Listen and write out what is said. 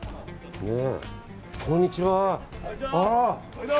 こんにちは。